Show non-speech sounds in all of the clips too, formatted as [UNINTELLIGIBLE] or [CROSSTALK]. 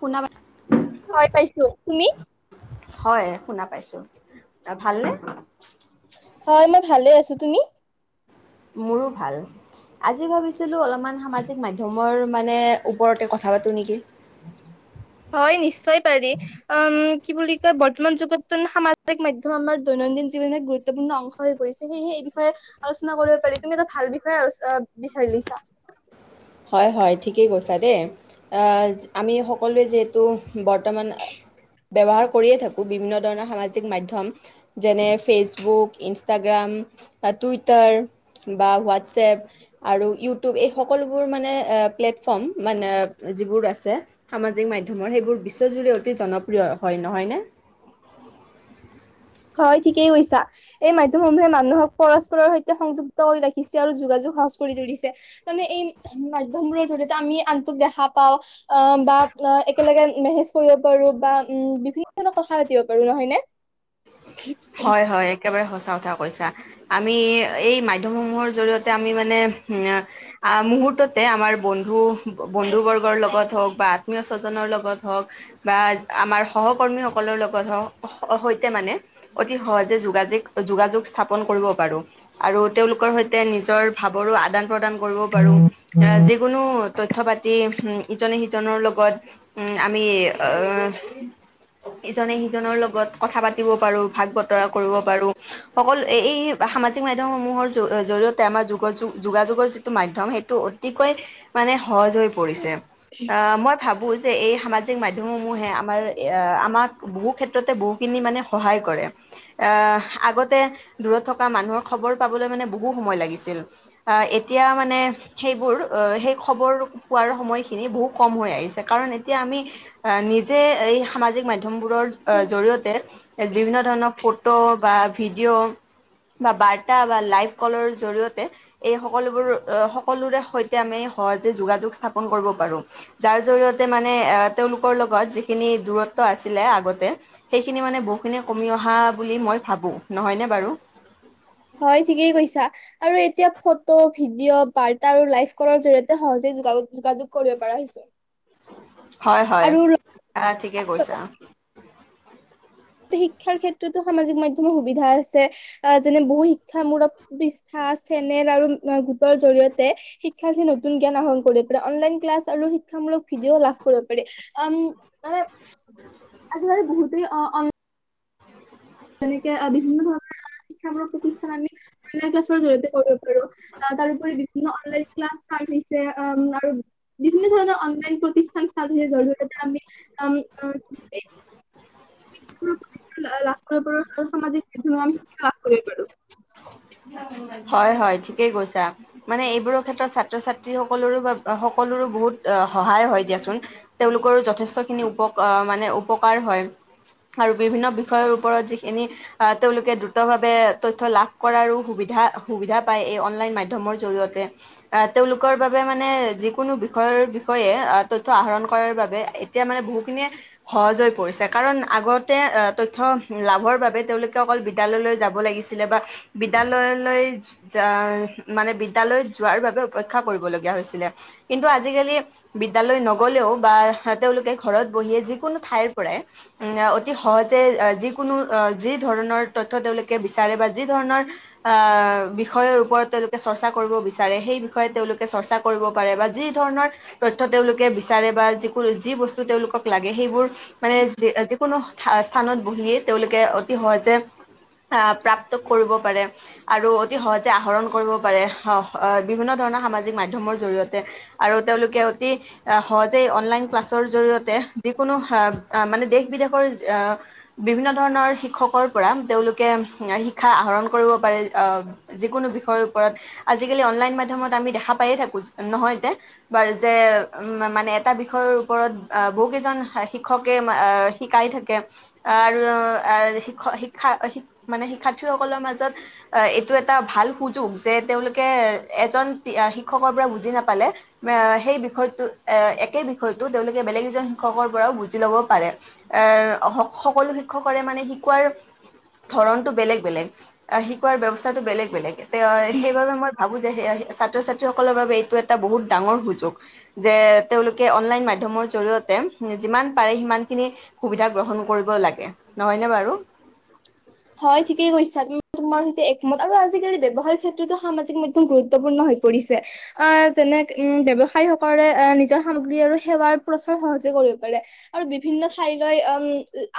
শুনা হয় পাইছো তুমি। হয় শুনা পাইছো ভালনে। হয় মই ভালে আছো তুমি। মোৰো ভাল, আজি ভাবিছিলো অলপমান সামাজিক মাধ্যমৰ মানে ওপৰতে কথা পাতো নেকি। হয় নিশ্চয় পাৰি, উম কি বুলি কয় বৰ্তমান যুগত তন সামাজিক মাধ্যম আমাৰ দৈনন্দিন জীৱন গুৰুত্বপূৰ্ণ অংশ হৈ পৰিছে সেয়েহে এই বিষয়ে আলোচনা কৰিব পাৰি, তুমি এটা ভাল বিষয়ে আলচ অ বিচাৰি লৈছা। হয় হয় ঠিকেই কৈছা দেই আমি সকলোৱে যিহেতু বৰ্তমান ব্যৱহাৰ কৰিয়ে থাকোঁ, বিভিন্ন ধৰণৰ সামাজিক মাধ্যম যেনে ফেচবুক, ইনষ্টাগ্ৰাম বা টুইটাৰ বা হোৱাটছএপ আৰু ইউটিউব এই সকলো যিবোৰ মানে প্লেটফৰ্ম মানে যিবোৰ আছে সামাজিক মাধ্যমৰ সেইবোৰ বিশ্বজুৰি অতি জনপ্ৰিয় হয়, নহয় নে? হয় ঠিকেই গৈছা এই মাধ্যম সমূহে মানুহক পৰস্পৰৰ সৈতে সংযুক্ত হৈ ৰাখিছে, আৰু যোগাযোগ সহজ কৰি তুলিছে, মানে এই মাধ্যমবোৰৰ জৰি়য়তে আমি আনটোক দেখা পাও। অ', বা অ', একেলগে মেছেেজ কৰিব পাৰো বা উ বিভি কথা পাতিব পাৰো নহয় নে। হয় হয় [UNINTELLIGIBLE] একেবাৰে সঁচা কথা কৈছা, আমি এই মাধ্যমসমূহৰ জৰি়য়তে আমি মানে উম মুহূৰৰ্ততে আমাৰ বন্ধু বন্ধু বৰ্গৰ লগত হওঁক বা আত্মীয় স্বজনৰ লগত হওঁক বা আমাৰ সহকৰ্মীসকলৰ লগত হওক সৈতে মানে অতি সহজে যোগাযোগ যোগাযোগ স্থাপন কৰিব পাৰো, আৰু তেওঁলোকৰ সৈতে নিজৰ ভাৱৰো আদান প্ৰদান কৰিব পাৰো, আহ যিকোনো তথ্য পাতি উ ইজনে সিজনৰ লগত উম আমি আহ ইজনে সিজনৰ লগত কথা পাতিব পাৰো ভাগ বতৰা কৰিব পাৰো সকলো এই এই সামাজিক মাধ্যমসমূহৰ জৰিয়তে আমাৰ যুগ যোগাযোগৰ যিটো মাধ্যম সেইটো অতিকৈ মানে সহজ হৈ পৰিছে আহ মই ভাবো যে এই সামাজিক মাধ্যমসমূহে আমাৰ আমাক বহু ক্ষেত্ৰতে বহুখিনি মানে সহায় কৰে। আহ আগতে দূৰত থকা মানুহৰ খবৰ পাবলৈ মানে বহু সময় লাগিছিল আহ এতিয়া মানে সেই বোৰ সেই খবৰ পোৱাৰ সময়খিনি বহু কম হৈ আহিছে, কাৰণ এতিয়া আমি নিজে এই সামাজিক মাধ মাধ্যমবোৰৰ জৰিয়তে বিভিন্ন ফটো বা ভিডিঅ' বা বাৰ্তা বা লাইফ কলৰ জৰিয়তে এই সকলোবোৰ সকলোৰে সৈতে আমি সহজে যোগাযোগ স্থাপন কৰিব পাৰো, যাৰ জৰিয়তে মানে তেওঁলোকৰ লগত যিখিনি দূৰত্ব আছিল আগতে সেইখিনি মানে বহুখি কমি অহা বুলি মই ভাবোঁ। বাৰু হয় ঠিকেই কৈছা। আৰু এতিয়া ফটো ভিডিঅ' বাৰ্তা আৰু লাইফ কলৰ জৰিয়তে সহজে যোগাযোগ কৰিব পাৰা হৈছে। হয় হয় আৰু অ', ঠিকে কৈছা। শিক্ষাৰ ক্ষেত্ৰতো সামাজিক মাধ্যমৰ সুবিধা আছে, যেনে বহু শিক্ষামূলক পৃষ্ঠা চেনেল আৰু গোটৰ জৰিয়তে শিক্ষাৰ্থীয়ে নতুন জ্ঞান আহৰণ কৰিব পাৰে, অনলাইন ক্লাছ আৰু শিক্ষামূলক ভিডিঅ' লাভ কৰিব পাৰি, আম আ [INAUDIBLE] আজিকালি বহুতেই অ', অঁ তেনেকে বিভিন্ন ধৰণৰ শিক্ষামূলক প্ৰতিষ্ঠান আমি অনলাইন ক্লাছৰ জৰিয়তে কৰিব পাৰো, আহ তাৰোপৰি বিভিন্ন অনলাইন ক্লাছ ষ্টাৰ্ট হৈছে আৰু বিভিন্ন ধৰণৰ অনলাইন প্ৰতিষ্ঠান জৰিয়তে আমি আ লাভ কৰিব পাৰো, আৰু সামাজিক [UNINTELLIGIBLE] শিক্ষা লাভ কৰিব পাৰোঁ। হয় হয় ঠিকেই কৈছা মানে এইবোৰৰ ক্ষেত্ৰত ছাত্ৰ ছাত্ৰী সকলৰো সকলৰো বহুত সহায় হয় দিয়াচোন, তেওঁলোকৰো যথেষ্ট খিনি উপকাৰ মানে উপকাৰ হয়, আৰু বিভিন্ন বিষয়ৰ ওপৰত যিখিনি আহ তেওঁলোকে দ্ৰুত ভাৱে তথ্য লাভ কৰাৰো সুবিধা সুবিধা পায়, এই অনলাইন মাধ্যমৰ জৰিয়তে আহ তেওঁলোকৰ বাবে মানে যিকোনো বিষয়ৰ বিষয়ে তথ্য আহৰণ কৰাৰ বাবে এতিয়া মানে বহুখিনিয় সহজ হৈ পৰিছে, কাৰণ আগতে তথ্য লাভৰ বাবে তেওঁলোকে অকল বিদ্যালয়লৈ যাব লাগি লে বা বিদ্যালয়লৈ মানে বিদ্যালয়লৈ যোৱাৰ বাবে অপেক্ষা কৰিবলগীয়া হৈছিলে, কিন্তু আজিকালি বিদ্যালয় নগলেও বা তেওঁলোকে ঘৰত বহিয়েই যিকোনো ঠাইৰ পৰাই অতি সহজে যিকোনো আহ যি ধৰণৰ তথ্য তেওঁলোকে বিচাৰে বা যিধৰণৰ আ বিষয়ৰ ওপৰত তেওঁলোকে চৰ্চা কৰিব বিচাৰে, সেই বিষয়ে তেওঁলোকে চৰ্চা কৰিব পাৰে বা যিধৰণৰ তথ্য তেওঁলোকে বিচাৰে বা যিকো যি বস্তু তেঁওলোকক লাগে সেইবোৰ মানে কোনো স্থানত বহিয়ে তেওঁলোকে অতি সহজে আহ প্ৰাপ্ত কৰিব পাৰে আৰু অতি সহজে আহৰণ কৰিব পাৰে। অ, বিভিন্ন ধৰণৰ সামাজিক মাধ্যমৰ জৰিয়তে আৰু তেওঁলোকে অতি সহজে অনলাইন ক্লাছৰ জৰিয়তে যিকোনো মানে দেশ বিদেশৰ অ, বিভিন্ন ধৰণৰ শিক্ষকৰ পৰা তেওঁলোক ষয়ৰ ওপৰত আজিকালি অনলাইন মাধ্যমত আমি দেখা পাইয়ে থাকোঁ, নহয় নে? বাৰু যে ম মানে এটা বিষয়ৰ ওপৰত আহ বহু কেইজন শিক্ষকে এ শিকাই থাকে আহ আৰু এহ শিক্ষ শিক্ষা মানে শিক্ষাৰ্থীসকলৰ মাজত এইটো এটা ভাল সুযোগ যে তেওঁলোকে এজন শিক্ষকৰ পৰা বুজি নাপালে এ সেই বিষয়টো এ একেই বিষয়টো তেওঁলোকে বেলেগ এজন শিক্ষকৰ পৰাও বুজি লব পাৰে, এ সকলো শিক্ষকৰে মানে শিকোৱাৰ। ধৰনটো বেলেগ বেলেগ শিকোৱাৰ ব্যৱস্থাটো বেলেগ বেলেগ এ সেইবাবে মই ভাবোঁ। সে সেয়া ছাত্ৰ ছাত্ৰীসকলৰ বাবে এইটো এটা বহুত ডাঙৰ সুযোগ যে। তেওঁলোকে অনলাইন মাধ্যমৰ জৰিয়তে যিমান পাৰে সিমান খিনি সুবিধা গ্ৰহণ কৰিব লাগে নহয় নে বাৰু? হয় ঠিকেই কৈছা তোমাৰ সৈতে একমত আৰু আজিকালি ব্যৱসায় ক্ষেত্ৰতো সামাজিক মাধ্যম গুৰুত্বপূৰ্ণ হৈ পৰিছে। অ', যেনে উম ব্যৱসায়ী সকলে আ নিজৰ সামগ্ৰী আৰু সেৱাৰ প্ৰচাৰ সহজে কৰিব পাৰে আৰু বিভিন্ন ঠাইলৈ অম'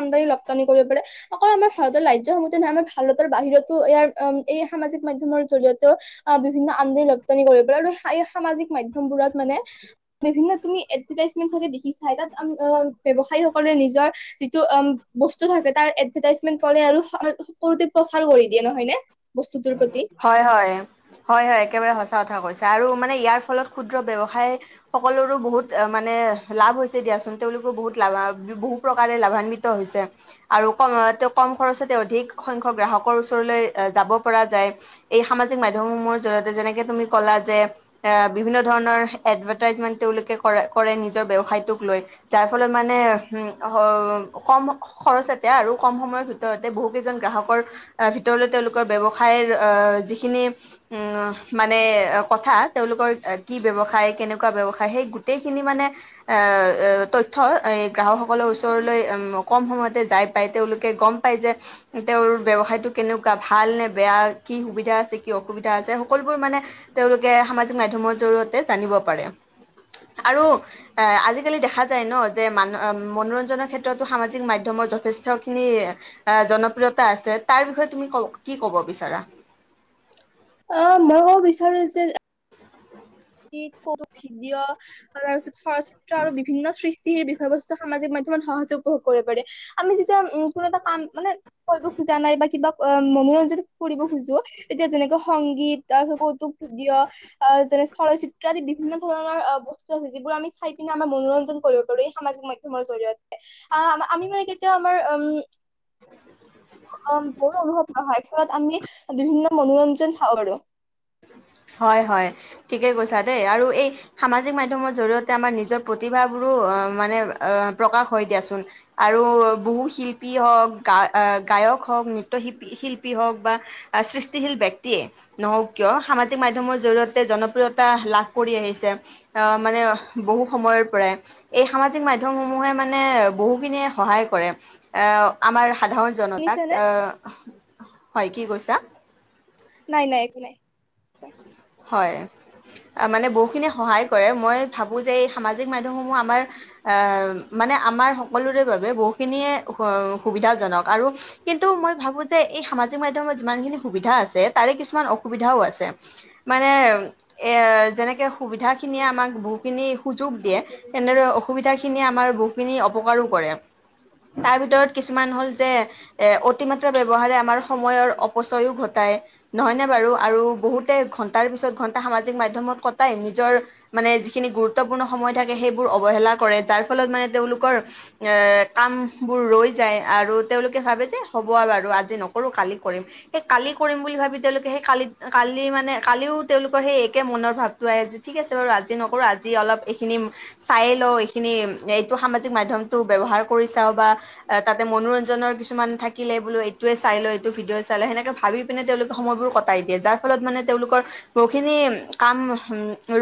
আমদানি ৰপ্তানি কৰিব পাৰে অকল আমাৰ ভাৰতৰ ৰা ৰাজ্যসমূহতে নহয় আমাৰ ভাৰতৰ বাহিৰতো ইয়াৰ উম এই সামাজিক মাধ্যমৰ জৰিয়তেও, আ বিভিন্ন আমদানি ৰপ্তানি কৰিব পাৰে আৰু এ এই সামাজিক মাধ্যমবোৰত মানে। বিভিন্ন তুমি এডভাৰটাইজ চাগে দেখিছাই তাত ব্যৱসায়ী সকলে নিজৰ যিটো আম বস্তু থাকে তাৰ এডভাৰটাইজমেন্ট কৰে আৰু সকলোতে প্ৰচাৰ কৰি দিয়ে নহয় নে? বস্তুটোৰ প্ৰতি হয় হয় হয় হয় একেবাৰে সচা। কথা কৈছা আৰু মানে ইয়াৰ ফলত ক্ষুদ্ৰ ব্যৱসায় সকলৰো বহুত এ মানে লাভ হৈছে দিয়াচোন, তেওঁলোকো বহুত লাভা বহু প্ৰকাৰে লাভান্বিত হৈছে আৰু কম তেওঁ কম খৰচতে অধিক সংখ্যক গ্ৰাহকৰ ওচৰলৈ যাব পৰা যায়। এই সামাজিক মাধ্যমসমূহৰ জৰিয়তে যেনেকে তুমি ক'লা যে এ বিভিন্ন ধৰণৰ এড্‌ভাৰটাইজমেন্ট তেওঁলোকে কৰে কৰে নিজৰ ব্যৱসায়টোক লৈ যাৰ ফলত মানে উম হ কম খৰচতে আৰু কম সময়ৰ ভিতৰতে বহু কেইজন গ্ৰাহকৰ ভিতৰলে তেওঁলোকৰ ব্যৱ সায়ৰ অ', যিখিনি উম মানে, কথা তেওঁলোকৰ কি ব্যৱসায় কেনেকুৱা ব্যৱসায় সেই গোটেইখিনি মানে এ তথ্য গ্ৰাহকসকলৰ ওচৰলৈ কম উম সময়তে যাই পায় তেওঁলোকে গম পায় যে তেওঁৰ ব্যৱসায়টো কেনেকুৱা ভাল নে? বেয়া কি সুবিধা আছে, কি অসুবিধা আছে, সকলোবোৰ মানে তেওঁলোকে সামাজিক মাধ্যমৰ জৰিয়তে জানিব পাৰে আৰু এ আজিকালি দেখা যায় ন' যে মান মনোৰঞ্জনৰ ক্ষেত্ৰতো সামাজিক মাধ্যমৰ যথেষ্ট খিনি অ', জনপ্ৰিয়তা আছে। তাৰ বিষয়ে তুমি ক কি ক'ব বিচৰা? অ', মই কব বিচাৰো যে ভিডিঅ' তাৰপিছত চলচিত্ৰ আৰু বিভিন্ন সৃষ্টিৰ বিষয়বস্তু সামাজিক মাধ্যমত সহজে উপভোগ কৰিব পাৰে, আমি যেতিয়া উম। এটা কাম মানে কৰিব খোজা নাই বা কিবা অ' মনোৰঞ্জন কৰিব খোজো তেতিয়া যেনেকৈ সংগীত, তাৰ কৌতুক ভিদিঅ' যেনে চলচিত্ৰ আদি বিভিন্ন ধৰণৰ আ বস্তু আছে যিবোৰ আমি চাই পিনে আমাৰ মনোৰঞ্জন কৰিব পাৰো এই সামাজিক মাধ্যমৰ জৰিয়তে, আ আমি মানে কেতিয়াও আমাৰ উম বোৰো অনুভৱ নহয় ফলত আমি বিভিন্ন মনোৰঞ্জন চাওঁ পাৰো। হয় হয় ঠিকেই কৈছা দেই, আৰু এই সামাজিক মাধ্যমৰ জৰিয়তে আমাৰ নিজৰ প্ৰতিভাবোৰো আ মানে আ প্ৰকাশ হয় দিয়াচোন আৰু বহু শিল্পী হওক গা গায়ক হওক নৃত্য শিল শিল্পী হওক বা সৃষ্টিশীল ব্যক্তিয়ে নহওঁক কিয় সামাজিক মাধ্যমৰ জৰিয়তে জনপ্ৰিয়তা লাভ কৰি আহিছে আ মানে বহু সময়ৰ পৰাই এই সামাজিক মাধ্যম সমূহে মানে বহুখিনিয়ে সহায় কৰে। আ আমাৰ সাধাৰণ জনতাক। শুনিছানে? অ' হয় কি কৈছা? নাই নাই একো নাই। হয়, মানে বহুখিনি সহায় কৰে, মই ভাবো যে এই সামাজিক মাধ্যমসমূহ আমাৰ মানে আমাৰ সকলোৰে বাবে বহুখিনিয়ে সুবিধাজনক আৰু কিন্তু মই ভাবো যে এই সামাজিক মাধ্যমত যিমানখিনি সুবিধা আছে তাৰে কিছুমান অসুবিধাও আছে। মানে এ যেনেকে সুবিধা খিনিয়ে আমাক বহুখিনি সুযোগ দিয়ে, তেনেদৰে অসুবিধা খিনিয়ে আমাৰ বহুখিনি অপকাৰো কৰে, তাৰ ভিতৰত কিছুমান হ'ল যে এ অতিমাত্ৰা ব্যৱহাৰে আমাৰ সময়ৰ অপচয়ও ঘটাই, নহয় নে? বাৰু আৰু বহুতে ঘন ঘন্টা সামাজিক মাধ্যমত কটাই, নিজৰ মানে যিখিনি গুৰুত্বপূৰ্ণ সময় থাকে সেইবোৰ অৱহেলা কৰে যাৰ ফলত মানে তেওঁলোকৰ এ কাম বোৰ ৰৈ যায় আৰু তেওঁলোকে ভাবে যে হ'ব বাৰু আজি নকৰো কালি কৰিম সেই কালি কৰিম বুলি ভাবি তেওঁলোকে সেই কালি কালি মানে। কালিও তেওঁলোকৰ সেই একে মনৰ ভাৱটো আহে, যে ঠিক আছে বাৰু আজি নকৰোঁ আজি অলপ এইখিনি কা চাই লওঁ এইখিনি এইটো সামাজিক মাধ্যমটো ব্যৱহাৰ। কৰি চাওঁ বা তাতে মনোৰঞ্জনৰ কিছুমান থাকিলে বোলো এইটোৱে চাই ল এইটো ভিডিঅ চাই ল সেনেকে ভাবি পিনে তেওঁলোকে সময়বোৰ কটাই দিয়ে যাৰ ফলত মানে তেওঁলোকৰ বহুখিনি কাম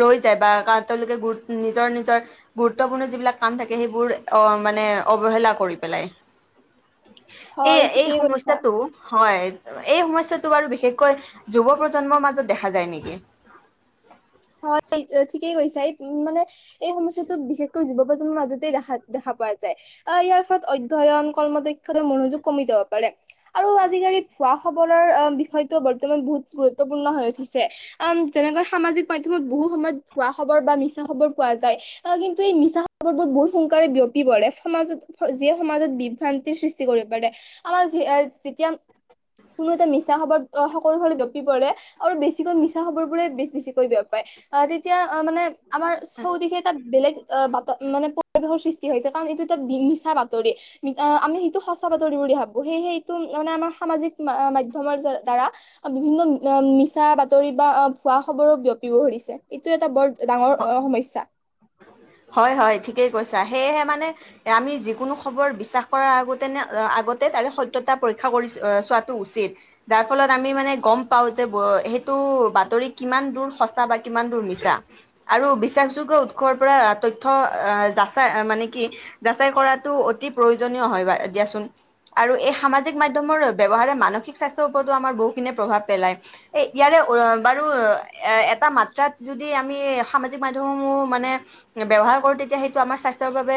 ৰৈ যায় বা তেওঁলোকে গুৰুত নিজৰ নিজৰ গুৰুত্বপূৰ্ণ যিবিলাক কান থাকে সেইবোৰ অ মানে অৱহেলা কৰি পেলাই এই হয় এই ঠিকেই কৈছা। সমস্যাটো হয় এই সমস্যাটো বাৰু বিশেষকৈ যুৱ প্ৰজন্মৰ মাজত [UNINTELLIGIBLE] দেখা যায় নেকি? হয় ঠিকেই কৈছা এই মানে এই সমস্যাটো বিশেষকৈ যুৱ প্ৰ মাজতে দেখা দেখা পোৱা যায় আৰু ইয়াৰ ফলত অধ্যয়ন, কৰ্ম দক্ষতাৰ মনোযোগ কমি যাব পাৰে আৰু আজিকালি ভুৱা খবৰৰ বিষয়টো বৰ্তমান বহুত গুৰুত্বপূৰ্ণ হৈ উঠিছে উম যেনেকৈ সামাজিক [UNINTELLIGIBLE] মত বহু সময়ত ভুৱা খবৰ বা মিছা খবৰ পোৱা যায় আৰু কিন্তু এই মিছা খবৰ বোৰ বহুত সোনকালে বিয়পি পৰে সমাজত যিয়ে সমাজত বিভ্ৰান্তিৰ সৃষ্টি কৰিব পাৰে আমাৰ যেতিয়া কোনো এটা মিছা খবৰ সকলো ফালে বিয়পি পৰে আৰু বেছিকৈ মিছা খবৰ বোৰে বেছি [UNINTELLIGIBLE] বিয়পায় আহ তেতিয়া অঁ মানে আমাৰ চৌদিশে তাত বেলেগ এ বাত মানে পৰিৱেশৰ সৃষ্টি হৈছে। কাৰণ এইটো এটা মিছা বাতৰি আমি সেইটো সঁচা বাতৰি বুলি ভাবো, সেয়েহে এইটো মানে আমাৰ সামাজিক মা মাধ্যমৰ যে দ্বাৰা বিভিন্ন মি মিছা বাতৰি বা ভুৱা খবৰৰ বিয়পিব ধৰিছে। এইটো এটা বৰ ডাঙৰ অ সমস্যা। হয় হয় ঠিকেই কৈছা। সেয়েহে মানে আমি যিকোনো খবৰ বিশ্বাস কৰাৰ আগতে নে আগতে তাৰে সত্যতা পৰীক্ষা কৰি চোৱাটো উচিত, যাৰ ফলত আমি মানে গম পাও যে সেইটো বাতৰি কিমান দূৰ সঁচা বা কিমান দূৰ মিছা আৰু বিশ্বাসযোগ্য উৎসৰ পৰা তথ্য যাচাই মানে কি যাচাই কৰাতো অতি প্ৰয়োজনীয় হয় বা দিয়াচোন আৰু এই সামাজিক মাধ্যমৰ ব্যৱহাৰে মানসিক স্বাস্থ্যৰ ওপৰতো আমাৰ বহুখিনি প্ৰভাৱ পেলায় এই ইয়াৰে বাৰু এটা মাত্ৰাত যদি আমি সামাজিক মাধ্যমসমূহ মানে ব্যৱহাৰ কৰো তেতিয়া সেইটো আমাৰ স্বাস্থ্যৰ বাবে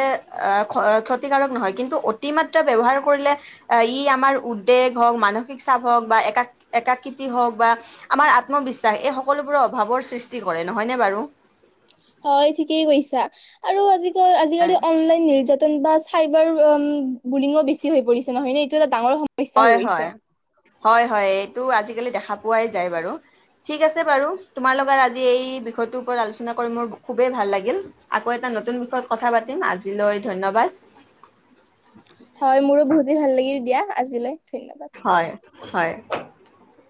আহ ক্ষ ক্ষতিকাৰক নহয় কিন্তু অতিমাত্ৰা ব্যৱহাৰ কৰিলে ই আমাৰ উদ্বেগ হওক মানসিক চাপ হওক বা এক একাকৃতি হওক বা আমাৰ আত্মবিশ্বাস এই সকলোবোৰৰ অভাৱৰ সৃষ্টি কৰে নহয়নে বাৰু হয় ঠিকেই কৈছা আৰু আজি আজিকালি অনলাইন নিৰ্যাত চন বা চাইবাৰ বুলি বেছি হৈ পৰিছে নহয় নে এইটো এটা ডাঙৰ সমস্যা হয় হৈ হয়। গৈছে হয় হয় এইটো আজিকালি দেখা পোৱাই যায় বাৰু ঠিক আছে বাৰু তোমাৰ লগত আজি এই বিষয়টোৰ ওপৰত আলোচনা কৰি মোৰ খুবেই ভাল লাগিল আকৌ এটা নতুন বিষয়ত কথা পাতিম আজিলৈ ধন্যবাদ। হয় মোৰো বহুতেই ভাল লাগিল দিয়া আজিলৈ ধন্যবাদ হয় হয়